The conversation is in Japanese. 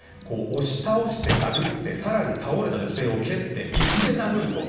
押し倒して、殴って更に、倒れた女性を蹴って椅子で殴ると。